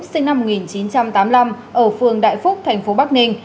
sinh năm một nghìn chín trăm tám mươi năm ở phường đại phúc thành phố bắc ninh